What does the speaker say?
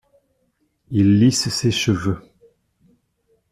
Il lisse ses cheveux.